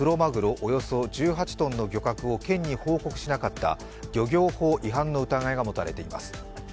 およそ１８ｔの漁獲を県に報告しなかった漁業法違反の疑いが持たれています。